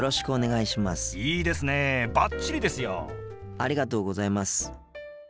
ありがとうございます。